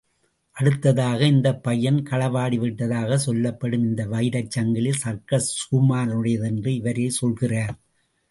அடுத்ததாக, இந்தப் பையன் களவாடி விட்டதாகச் சொல்லப்படும் இந்த வைரச் சங்கிலி சர்க்கஸ் சுகுமாரனுடையதென்று இவரே சொல்கிறார்.